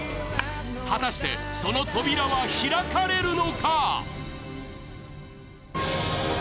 果たして、その扉は開かれるのか。